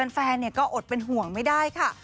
แฟนก็อดเป็นห่วงไม่ได้ค่ะ